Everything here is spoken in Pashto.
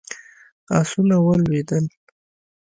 آسونه ولوېدل.